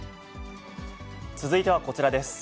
続いてはこちらです。